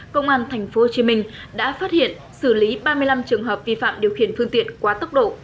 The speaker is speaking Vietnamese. công an tp hcm đã phát hiện xử lý ba mươi năm trường hợp vi phạm điều khiển phương tiện quá tốc độ